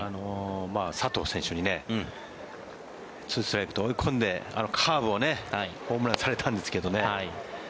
佐藤選手に２ストライクと追い込んであのカーブをホームランにされたんですけどね。